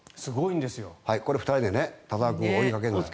これ、２人で田澤君を追いかける。